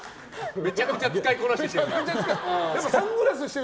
めちゃくちゃ使いこなしてる。